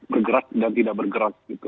bergerak dan tidak bergerak